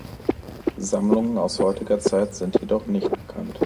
Sammlungen aus heutiger Zeit sind jedoch nicht bekannt.